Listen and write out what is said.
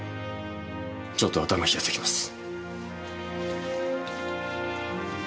ちょっと頭冷やしてきます。